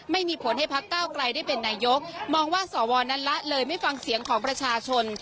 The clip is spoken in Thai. ไม่มีผลให้พักเก้าไกลได้เป็นนายกมองว่าสวนั้นละเลยไม่ฟังเสียงของประชาชน